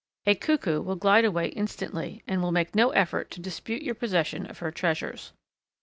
A Cuckoo will glide away instantly and will make no effort to dispute your possession of her treasures.